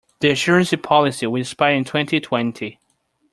The insurance policy will expire in twenty-twenty.